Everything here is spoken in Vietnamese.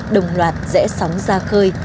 đồng loạt rẽ sóng ra khơi